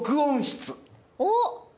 おっ！